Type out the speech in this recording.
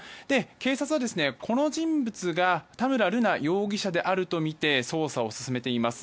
警察は、この人物が田村瑠奈容疑者であるとみて捜査を進めています。